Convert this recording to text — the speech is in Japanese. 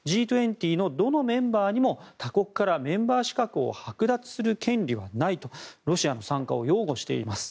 Ｇ２０のどのメンバーにも他国からメンバー資格をはく奪する権利はないとロシアの参加を擁護しています。